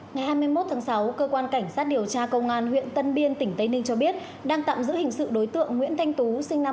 ngày hai mươi một tháng sáu cơ quan cảnh sát điều tra công an huyện tân biên tỉnh tây ninh cho biết đang tạm giữ hình sự đối tượng nguyễn thanh tú sinh năm một nghìn chín trăm tám mươi